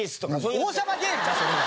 王様ゲームかそれは？